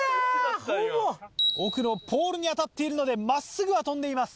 奥のポールに当たっているので真っすぐは飛んでいます。